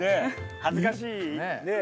恥ずかしいねえ。